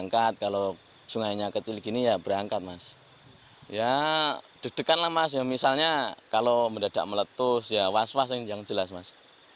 kalau sungainya kecil gini ya berangkat mas ya deg degan lah mas ya misalnya kalau mendadak meletus ya was was yang jelas mas